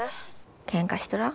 ケンカしとらん？